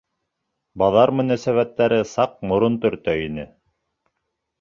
Баҙар мөнәсәбәттәре саҡ морон төртә ине.